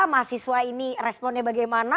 mahasiswa ini responnya bagaimana